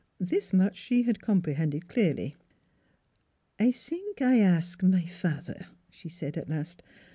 This much she had comprehended clearly. " I zink I ask my fat'er," she said at last.